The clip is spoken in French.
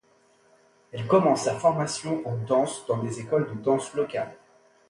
Elle commence sa formation en danse dans des écoles de danse locales.